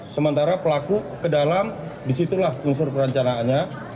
sementara pelaku ke dalam disitulah unsur perencanaannya